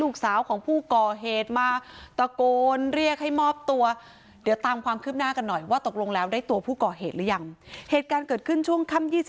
กันหน่อยว่าตกลงแล้วได้ตัวผู้ก่อเหตุหรือยังเหตุการณ์เกิดขึ้นช่วงค่ำ๒๒